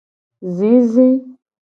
Zizi.